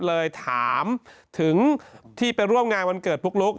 เลยถามถึงที่ไปร่วมงานวันเกิดปุ๊กลุ๊ก